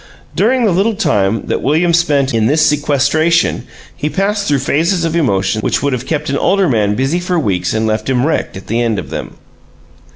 During the little time that William spent in this sequestration he passed through phases of emotion which would have kept an older man busy for weeks and left him wrecked at the end of them.